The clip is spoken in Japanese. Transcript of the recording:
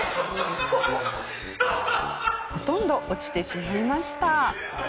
ほとんど落ちてしまいました。